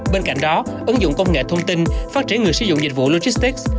bên cạnh đó ứng dụng công nghệ thông tin phát triển người sử dụng dịch vụ logistics